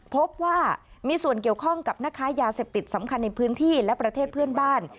พบว่ามีส่วนเกี่ยวข้องกับแม่ค้ายาเสพติดสำคัญในพื้นที่และประเทศเพื่อนบ้าน